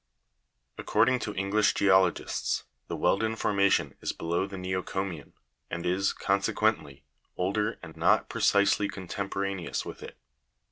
9. According to English geologists, the wealden formation is below the neocomian, and is, consequently, older and not precisely contemporaneous with it.